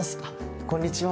こんにちは。